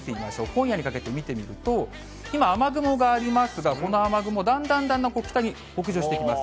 今夜にかけて見てみると、今、雨雲がありますが、この雨雲、だんだんだんだん北に北上してきます。